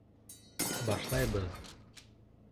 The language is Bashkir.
Башлайбыҙ!